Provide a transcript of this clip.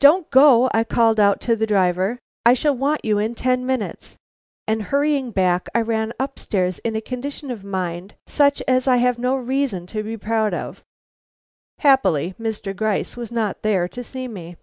"Don't go!" I called out to the driver. "I shall want you in ten minutes." And hurrying back, I ran up stairs in a condition of mind such as I have no reason to be proud of. Happily Mr. Gryce was not there to see me.